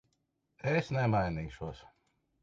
Es nemainīšos.